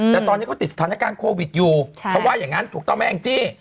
แต่ตอนนี้เขาติดสถานการณ์โควิดอยู่เขาว่าอย่างนั้นถูกต้องไหมแองจี้